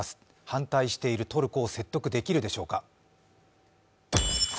反対しているトルコを説得できるでしょうか。